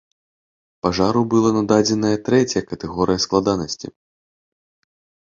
Пажару была нададзеная трэцяя катэгорыя складанасці.